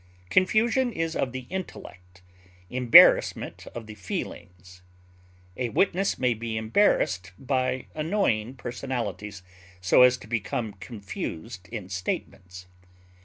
Confusion is of the intellect, embarrassment of the feelings. A witness may be embarrassed by annoying personalities, so as to become confused in statements.